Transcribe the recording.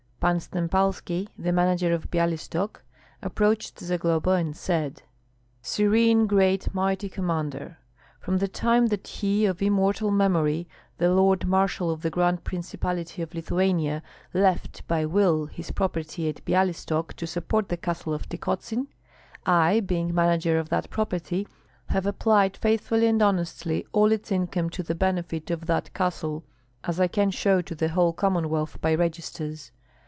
Pan Stempalski, the manager of Byalystok, approached Zagloba, and said, "Serene, great mighty Commander! From the time that he of immortal memory, the lord marshal of the Grand Principality of Lithuania, left by will his property at Byalystok to support the castle of Tykotsin, I, being manager of that property, have applied faithfully and honestly all its income to the benefit of that castle, as I can show to the whole Commonwealth by registers.